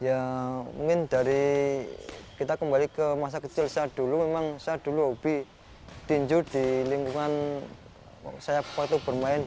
ya mungkin dari kita kembali ke masa kecil saya dulu memang saya dulu hobi tinju di lingkungan saya waktu bermain